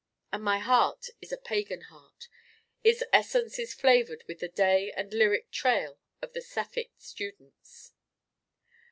And my Heart is a pagan Heart. Its essence is flavored with the day and lyric trail of the Sapphic students.